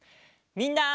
みんな。